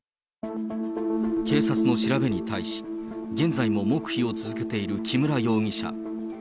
警察の調べに対し、現在も黙秘を続けている木村容疑者。